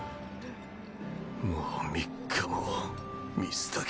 もう３日も水だけ。